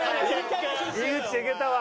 井口でいけたわ。